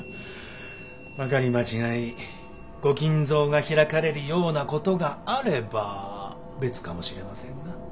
まかり間違い御金蔵が開かれるようなことがあれば別かもしれませんが。